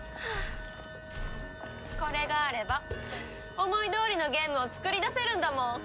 これがあれば思いどおりのゲームを作り出せるんだもん。